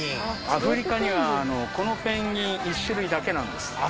アフリカにはこのペンギン１種類だけなんです。